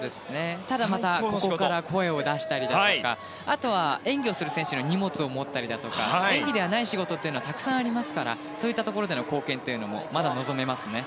ただ、またここから声を出したりだとかあとは、演技をする選手の荷物を持ったりだとか演技ではない仕事はたくさんありますからそういったところでの貢献というのもまだ望めますね。